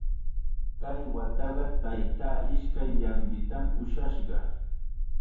Kay wataqa taytaa ishkay llanqitam ushashqa.